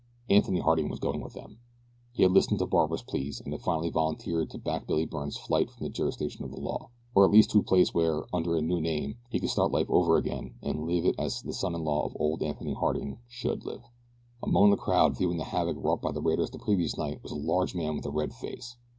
Anthony Harding was going with them. He had listened to Barbara's pleas, and had finally volunteered to back Billy Byrne's flight from the jurisdiction of the law, or at least to a place where, under a new name, he could start life over again and live it as the son in law of old Anthony Harding should live. Among the crowd viewing the havoc wrought by the raiders the previous night was a large man with a red face.